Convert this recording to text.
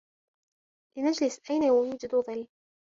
لنجلس أين يوجد ظل.